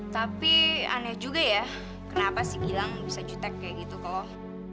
tapi aneh juga ya kenapa si gilang bisa jutek kayak gitu kalau